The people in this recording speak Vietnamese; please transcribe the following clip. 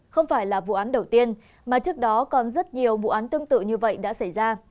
không phải là vụ án đầu tiên mà trước đó còn rất nhiều vụ án tương tự như vậy đã xảy ra